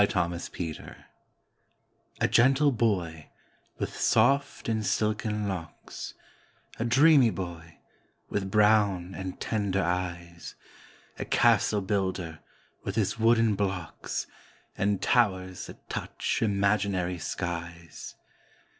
THE CASTLE BUILDER A gentle boy, with soft and silken locks A dreamy boy, with brown and tender eyes, A castle builder, with his wooden blocks, And towers that touch imaginary skies.